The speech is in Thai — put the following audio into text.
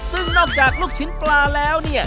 ซึ่งนอกจากลูกชิ้นปลาแล้วเนี่ย